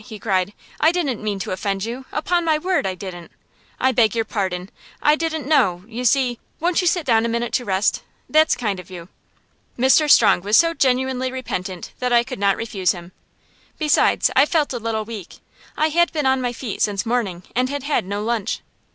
he cried. "I didn't mean to offend you; upon my word, I didn't. I beg your pardon. I didn't know you see Won't you sit down a minute to rest? That's kind of you." Mr. Strong was so genuinely repentant that I could not refuse him. Besides, I felt a little weak. I had been on my feet since morning, and had had no lunch.